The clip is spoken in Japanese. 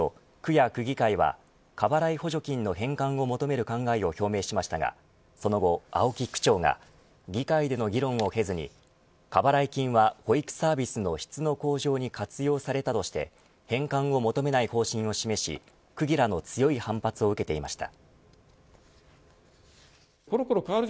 当初、区や区議会は過払い補助金の返還を求める考えを表明しましたがその後、青木区長が議会での議論を経ずに過払い金は保育サービスの質の向上に活用されたとして返還を求めない方針を示し区議らの強い反発を受けていました。